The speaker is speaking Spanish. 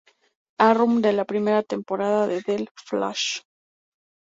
Arrow" de la primera temporada de "The Flash".